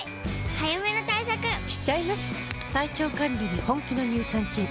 早めの対策しちゃいます。